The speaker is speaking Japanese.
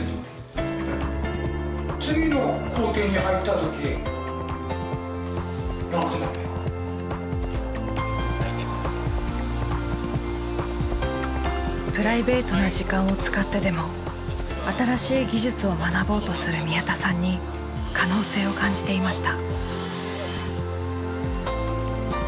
だからプライベートな時間を使ってでも新しい技術を学ぼうとする宮田さんに可能性を感じていました。